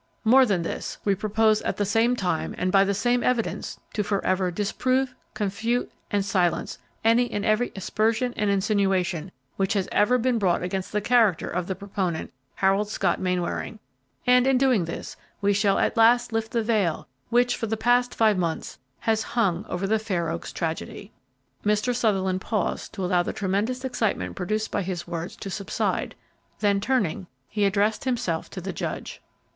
More than this, we propose at the same time and by the same evidence to forever disprove, confute, and silence any and every aspersion and insinuation which has been brought against the character of the proponent, Harold Scott Mainwaring; and in doing this, we shall at last lift the veil which, for the past five months, has hung over the Fair Oaks tragedy." Mr. Sutherland paused to allow the tremendous excitement produced by his words to subside; then turning, he addressed himself to the judge.